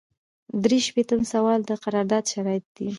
درې شپیتم سوال د قرارداد شرایط دي.